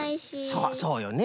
そうそうよね。